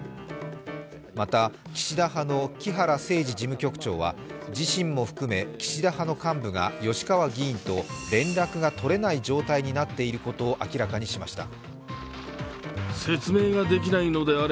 また岸田派の木原誠二事務局長は、自身も含め岸田派の幹部が吉川議員と連絡が取れない状態になっていることを明らかにしました。